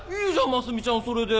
真澄ちゃんはそれで。